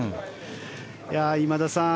今田さん